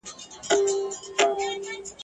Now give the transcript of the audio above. حاجي مریم اکا پخوا په میوند کي اوسېده.